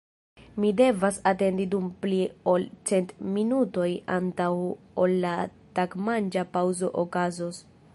Mi devas atendi dum pli ol cent minutoj antaŭ ol la tagmanĝa paŭzo okazos.